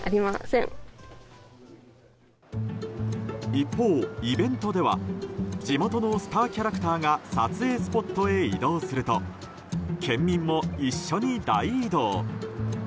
一方、イベントでは地元のスターキャラクターが撮影スポットへ移動すると県民も一緒に大移動。